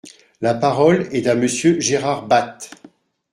La parole est à Monsieur Gérard Bapt.